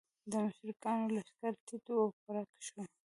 د مشرکانو لښکر تیت و پرک شو.